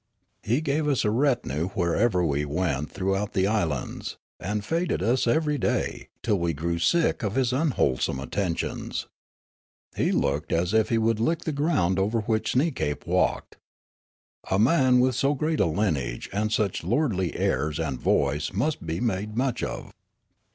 He gave us a retinue wherever we went throughout the islands, and feted us every day, till we grew sick of his unwholesome attentions. He looked as if he would lick the ground over which Sneekape walked. A man with so great a lineage and such lordly airs and voice must be made nuich of.